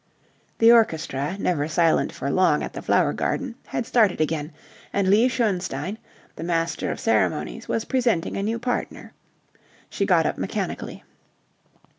The orchestra, never silent for long at the Flower Garden, had started again, and Lee Schoenstein, the master of ceremonies, was presenting a new partner. She got up mechanically.